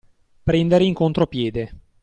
Prendere in contropiede.